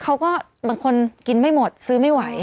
บางคนกินไม่หมดซื้อไม่ไหว